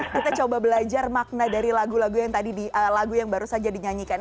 kita coba belajar makna dari lagu lagu yang baru saja dinyanyikan